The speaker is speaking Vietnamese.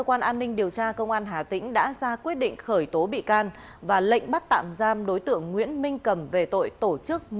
kiểm điểm ra soát kiểm điểm đối với từng ca trực